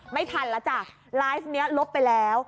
ไม่ทันแล้วจ้ะไลฟ์นี้ลบไปแล้ว